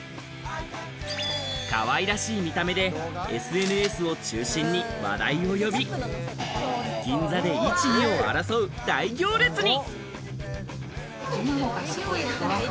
かわいらしい見た目でＳＮＳを中心に話題を呼び、銀座で１、２を争う大行列に。